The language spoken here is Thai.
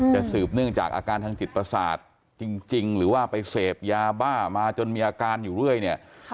สืบเนื่องจากอาการทางจิตประสาทจริงหรือว่าไปเสพยาบ้ามาจนมีอาการอยู่เรื่อยเนี่ย